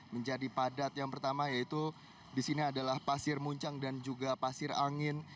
menjadi padat yang pertama yaitu di sini adalah pasir muncang dan juga pasir angin